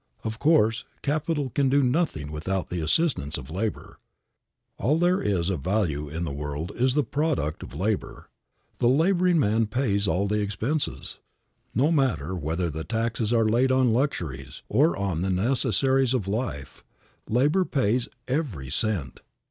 Of course, capital can do nothing without the assistance of labor. All there is of value in the world is the product of labor. The laboring man pays all the expenses. No matter whether taxes are laid on luxuries or on the necessaries of life, labor pays every cent.